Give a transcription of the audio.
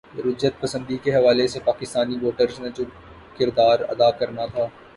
رجعت پسندی کے حوالے سے پاکستانی ووٹرز نے جو کردار ادا کرنا تھا۔